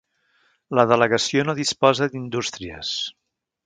La delegació no disposa d'indústries.